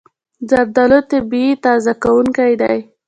زردالو طبیعي تازه کوونکی دی.